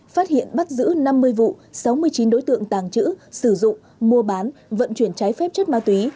phát hiện bắt giữ năm mươi vụ sáu mươi chín đối tượng tàng trữ sử dụng mua bán vận chuyển trái phép chất ma túy